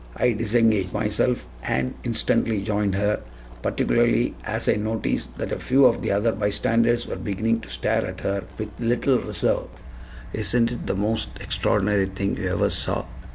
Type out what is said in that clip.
I disengaged myself and instantly joined her, particularly as I noticed that a few of the other bystanders were beginning to stare at her with little reserve. "Isn't it the most extraordinary thing you ever saw?"